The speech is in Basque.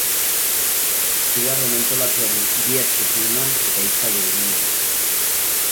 Zigarro mentolatuari bi atxiki eman eta itzali egin zuen.